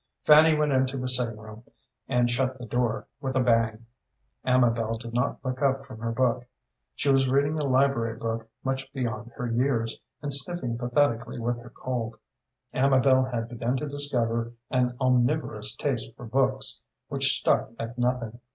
Fanny went into the sitting room and shut the door with a bang. Amabel did not look up from her book. She was reading a library book much beyond her years, and sniffing pathetically with her cold. Amabel had begun to discover an omnivorous taste for books, which stuck at nothing.